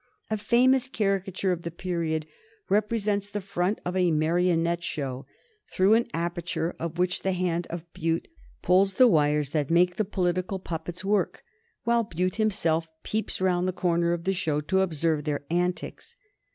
A famous caricature of the period represents the front of a marionette show, through an aperture of which the hand of Bute pulls the wires that make the political puppets work, while Bute himself peeps round the corner of the show to observe their antics.